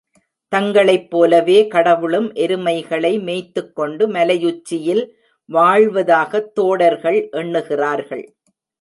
தங்களைப் போலவே கடவுளும் எருமைகளை மேய்த்துக்கொண்டு மலையுச்சியில் வாழ்வதாகத் தோடர்கள் எண்ணுகிறார்கள்.